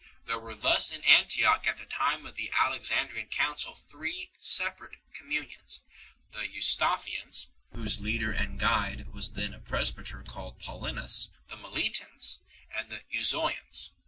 There were thus in Antioch at the j time of the Alexandrian council three separate commu nions; the Eustathians, whose leader and guide was then a presbyter called Paulinus; the Meletians; and the Euzo ians.